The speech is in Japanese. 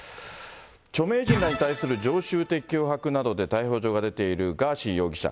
著名人らに対する常習的脅迫などで逮捕状が出ているガーシー容疑者。